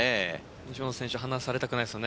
西本選手離されたくないですよね